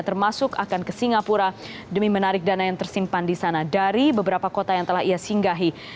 termasuk akan ke singapura demi menarik dana yang tersimpan di sana dari beberapa kota yang telah ia singgahi